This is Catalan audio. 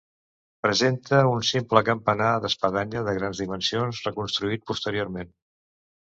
Presenta un simple campanar d'espadanya de grans dimensions, reconstruït posteriorment.